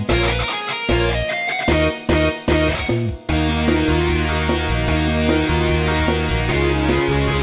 กลับไปกัน